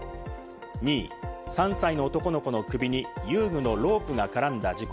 ２位、３歳の男の子の首に遊具のロープが絡んだ事故。